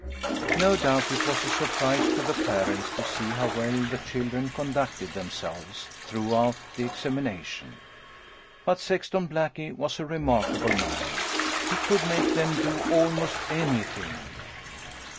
No doubt it was a surprise to the parents to see how well the children conducted themselves throughout the examination. But Sexton Blackie was a remarkable man. He could make them do almost anything.